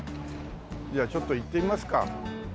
じゃあちょっと行ってみますか。